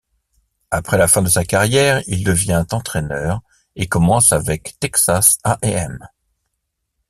Après la fin de sa carrière, il devient entraîneur et commence avec Texas A&M.